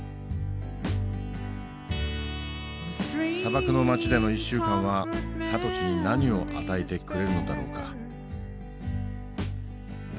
砂漠の街での１週間はサトシに何を与えてくれるのだろうか？